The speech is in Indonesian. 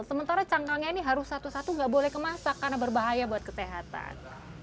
sementara cangkangnya ini harus satu satu nggak boleh kemasak karena berbahaya buat kesehatan